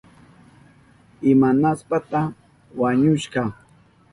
¿Imanashpataya wañushka?